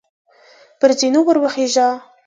پر زینو وروخیژه !